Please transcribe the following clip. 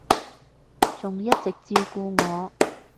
仲一直照顧我